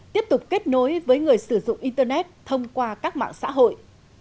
tiếp tục kết nối với người sử dụng internet thông qua các mạng xã hội